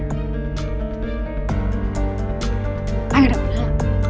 ไปกันดีกว่านะ